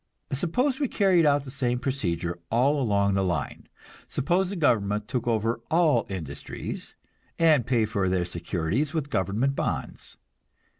Suppose we carried out the same procedure all along the line; suppose the government took over all industries, and paid for their securities with government bonds.